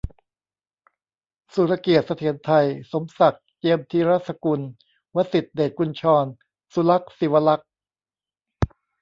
สุรเกียรติ์ เสถียรไทย สมศักดิ์ เจียมธีรสกุล วสิษฐ เดชกุญชร สุลักษณ์ ศิวรักษ์